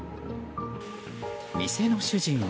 店の主人は。